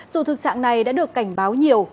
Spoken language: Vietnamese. dù thực trạng này đã được cảnh báo nhiều